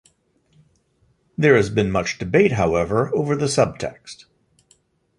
There has been much debate, however, over the subtext.